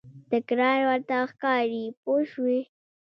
تکرار ورته ښکاري پوه شوې!.